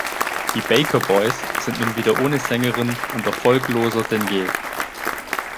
Die Baker Boys sind nun wieder ohne Sängerin und erfolgloser denn je.